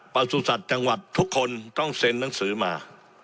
ประสุทธิ์จังหวัดทุกคนต้องเซ็นหนังสือมา